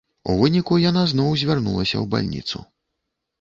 У выніку яна зноў звярнулася ў бальніцу.